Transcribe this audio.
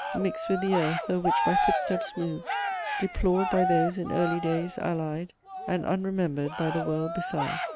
. Mix'd with the earth o'er which my footsteps moved; ........ Deplored by those in early days allied, And unremembered by the world beside.